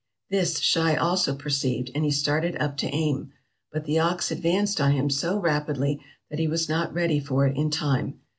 This Schei also perceived, and he started up to aim; but the ox advanced on him so rapidly that he was not ready for it in time.